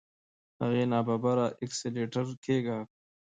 هغه ناببره اکسلېټر کېکاږه.